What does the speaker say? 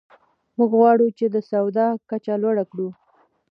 موږ غواړو چې د سواد کچه لوړه کړو.